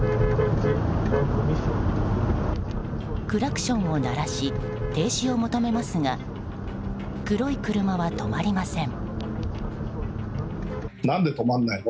クラクションを鳴らし停止を求めますが黒い車は止まりません。